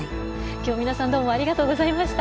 今日は皆さんどうもありがとうございました。